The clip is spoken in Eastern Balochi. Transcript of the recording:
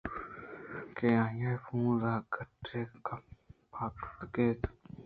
کہ آئی ءِ پوٛنز ءَ گٹّے پاتکگیتے